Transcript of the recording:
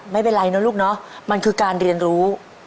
ไม่เป็นไรนะลูกเนาะมันคือการเรียนรู้